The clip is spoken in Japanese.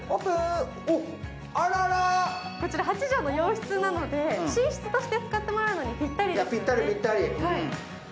こちら８畳の洋室なので寝室として使っていただくのにぴったりですね。